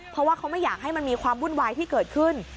เพราะว่าเขาไม่อยากให้มันมีความวุ่นวายที่เกิดขึ้น